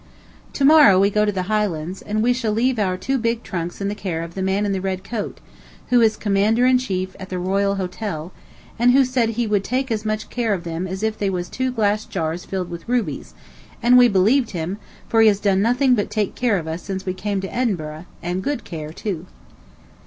To morrow we go to the Highlands, and we shall leave our two big trunks in the care of the man in the red coat, who is commander in chief at the Royal Hotel, and who said he would take as much care of them as if they was two glass jars filled with rubies; and we believed him, for he has done nothing but take care of us since we came to Edinburgh, and good care, too.